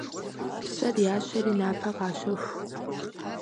Псэр ящэри напэ къащэху.